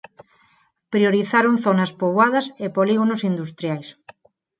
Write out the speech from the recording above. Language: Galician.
Priorizaron zonas poboadas e polígonos industriais.